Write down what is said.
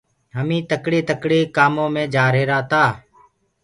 هميٚ تڪڙي ٿڪڙي ڪآمو مي جآرهيرآ تآ۔